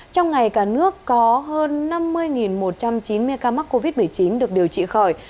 trong ngày cả nước có hơn năm mươi một trăm chín mươi ca mắc covid một mươi chín được điều trị khỏi